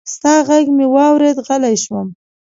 ستا غږ مې واورېد، غلی شوم